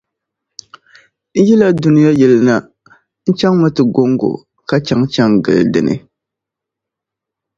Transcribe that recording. N yila dunia ni na, n chaŋmi ti gɔŋgo ka chaŋchaŋ gili di ni.